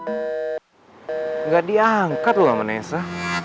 enggak diangkat loh manesa